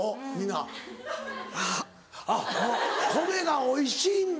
あっもう米がおいしいんだ。